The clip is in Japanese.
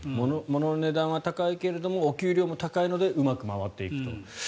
ものの値段は高いけどお給料も高いのでうまく回っていくと。